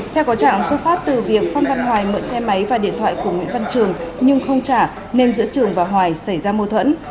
theo có trạng xuất phát từ việc phan văn hoài mượn xe máy và điện thoại của nguyễn văn trường nhưng không trả nên giữa trường và hoài xảy ra mô thuẫn